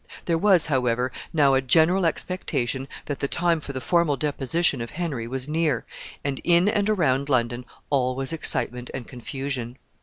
There was, however, now a general expectation that the time for the formal deposition of Henry was near, and in and around London all was excitement and confusion.